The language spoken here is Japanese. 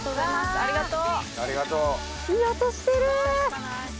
ありがとう。